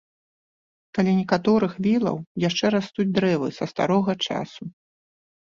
Каля некаторых вілаў яшчэ растуць дрэвы са старога часу.